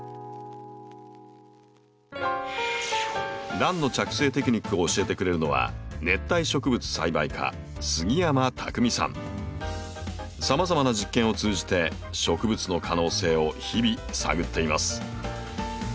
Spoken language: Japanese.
ランの着生テクニックを教えてくれるのはさまざまな実験を通じて植物の可能性を日々探っています。